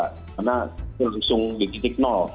karena berusung di titik